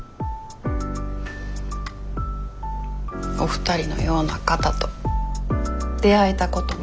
お二人のような方と出会えたことも。